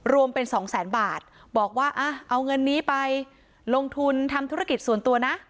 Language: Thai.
รวมเป็นสองแสนบาทบอกว่าเอาเงินนี้ไปลงทุนทำธุรกิจส่วนตัวนะ